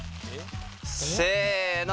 せの。